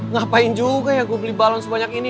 ngapain juga ya gue beli balon sebanyak ini